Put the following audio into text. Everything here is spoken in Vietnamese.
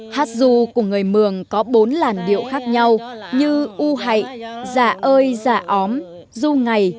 hát ru của người mường có bốn làn điệu khác nhau như u hạy giả ơi giả óm ru ngày